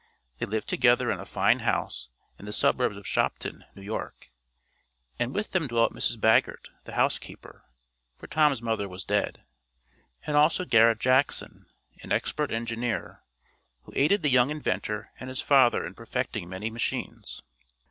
They lived together in a fine house in the suburbs of Shopton, New York, and with them dwelt Mrs. Baggert, the housekeeper (for Tom's mother was dead), and also Garret Jackson, an expert engineer, who aided the young inventor and his father in perfecting many machines.